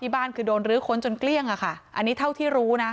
บ้านคือโดนรื้อค้นจนเกลี้ยงอะค่ะอันนี้เท่าที่รู้นะ